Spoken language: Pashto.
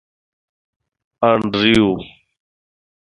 انډریو.